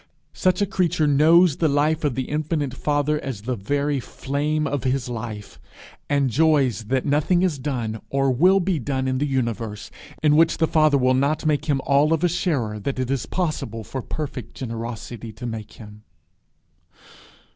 Such a creature knows the life of the infinite Father as the very flame of his life, and joys that nothing is done or will be done in the universe in which the Father will not make him all of a sharer that it is possible for perfect generosity to make him.